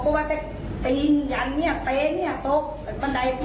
พระเจ้านี่มันไหลออกเลยน่ะแต่พ่อหมอใจด้ำ